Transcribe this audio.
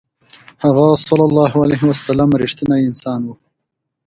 هغه ﷺ رښتینی انسان و.